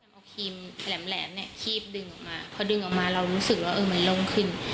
เอาครีมแหลมเนี่ยคีบดึงออกมาพอดึงออกมาเรารู้สึกว่าเออมันโล่งขึ้น